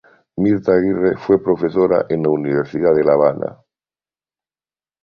Mirta Aguirre fue profesora en la Universidad de la Habana.